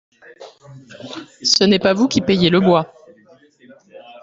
Ce n’est pas vous qui payez le bois.